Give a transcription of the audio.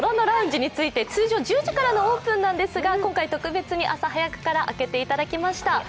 ラウンジについて通常１０時からのオープンなんですが、今回特別に朝早くから開けていただきました。